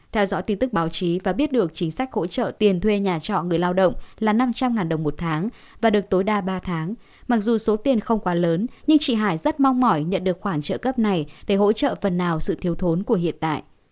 theo dõi tin tức báo chí và biết được chính sách hỗ trợ tiền thuê nhà trọ người lao động là năm trăm linh đồng một tháng và được tối đa ba tháng mặc dù số tiền không quá lớn nhưng chị hải rất mong mỏi nhận được khoản trợ cấp này để hỗ trợ phần nào sự thiếu thốn của hiện tại